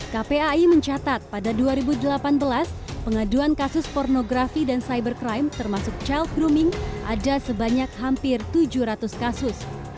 kpai mencatat pada dua ribu delapan belas pengaduan kasus pornografi dan cybercrime termasuk child grooming ada sebanyak hampir tujuh ratus kasus